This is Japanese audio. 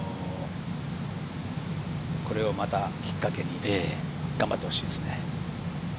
これをまたきっかけに頑張ってほしいですよね。